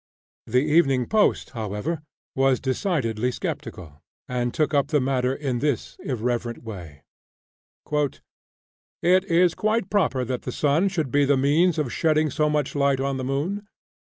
The "Evening Post," however, was decidedly skeptical, and took up the matter in this irreverent way: "It is quite proper that the "Sun" should be the means of shedding so much light on the Moon.